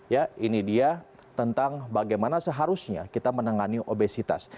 ya ini dia tentang bagaimana seharusnya kita menangani obesitas